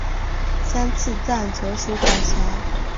三次站则属管辖。